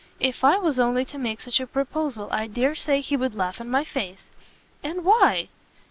If I was only to make such a proposal, I dare say he would laugh in my face." "And why?"